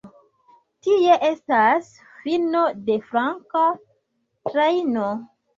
Tie estas fino de flanka trajno.